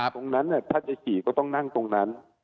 ตรงนั้นถ้าจะฉี่ก็ต้องนั่งตรงนั้น